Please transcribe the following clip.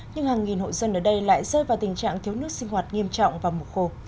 nhưng hàng nghìn hội dân ở đây lại rơi vào tình trạng thiếu nước sinh hoạt nghiêm trọng vào mùa khô